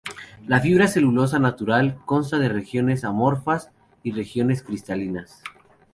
La fibra de celulosa natural consta de regiones amorfas y regiones cristalinas.